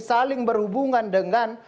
saling berhubungan dengan